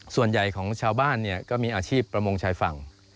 ส่วนใหญ่ของชาวบ้านก็มีอาชีพประมงชายฝั่ง